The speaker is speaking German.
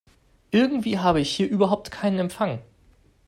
Irgendwie habe ich hier überhaupt keinen Empfang.